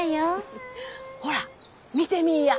ほら見てみいや。